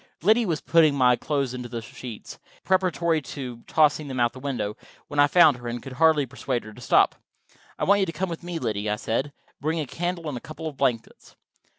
Liddy was putting my clothes into sheets, preparatory to tossing them out the window, when I found her, and I could hardly persuade her to stop. "I want you to come with me, Liddy," I said. "Bring a candle and a couple of blankets."